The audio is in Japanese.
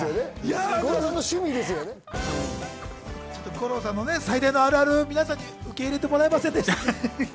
五郎さんの最大のあるある、皆さんに受け入れてもらえませんでしたね。